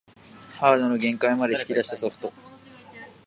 ハードの限界まで引き出したソフト